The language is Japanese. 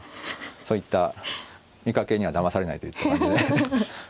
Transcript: そういった見かけにはだまされないといった感じで。